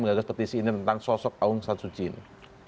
mengagas petisi ini tentang sosok aung san suu kyi ini